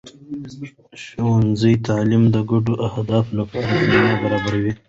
د ښوونځي تعلیم د ګډو اهدافو لپاره زمینه برابروي.